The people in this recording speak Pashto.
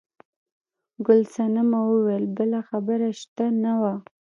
ګل صنمه وویل بله خبره شته نه وه.